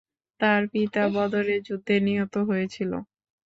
তার পিতা বদরের যুদ্ধে নিহত হয়েছিল।